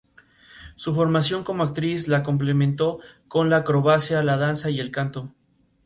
Su formación como actriz la complementó con la acrobacia, la danza y el canto.